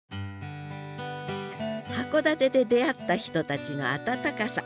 函館で出会った人たちの温かさ。